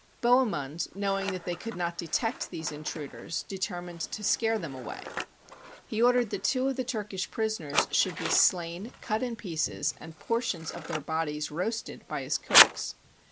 Bohemund, knowing that they could not detect these intruders, determined to scare them away. He ordered that two of the Turkish prisoners should be slain, cut in pieces, and portions of their bodies roasted by his cooks.